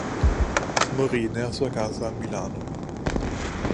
Morì nella sua casa a Milano.